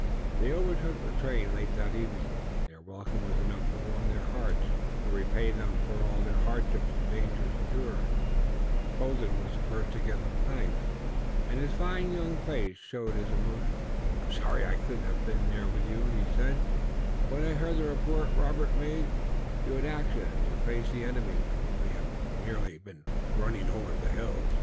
They overtook the train late that evening and their welcome was enough to warm their hearts and to repay them for all the hardships and dangers endured. Colden was the first to give them thanks, and his fine young face showed his emotion. "I'm sorry I couldn't have been back there with you," he said, when he heard the report Robert made; "you had action, and you faced the enemy, while we have merely been running over the hills."